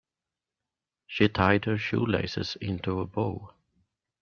She tied her shoelaces into a bow.